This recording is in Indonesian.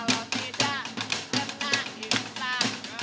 sahur sahur sahur sahur